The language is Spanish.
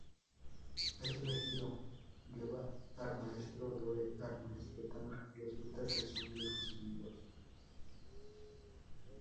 El Elegido lleva al Maestro Doe al Maestro Tang; resulta que son viejos amigos.